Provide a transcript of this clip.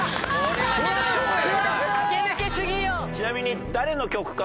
ちなみに。